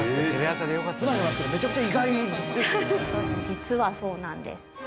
実はそうなんです。